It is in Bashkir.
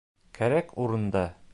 Кәрәк урында!